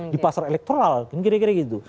di pasar elektoral kan kira kira gitu